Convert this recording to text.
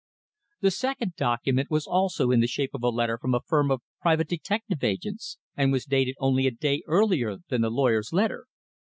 The second document was also in the shape of a letter from a firm of private detective agents and was dated only a day earlier than the lawyer's letter.